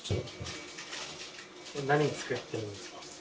何を作ってるんですか？